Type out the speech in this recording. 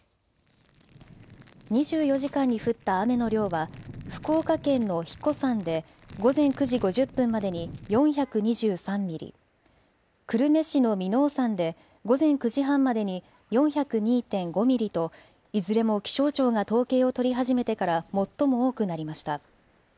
２４時間に降った雨の量は福岡県の英彦山で午前９時５０分までに４２３ミリ、久留米市の耳納山で午前９時半までに４０２．５ミリといずれも気象庁が統計を取り始めてから最も多くなりました。